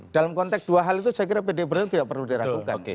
dalam konteks dua hal itu saya kira pd perjuangan tidak perlu diragukan